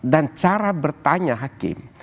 dan cara bertanya hakim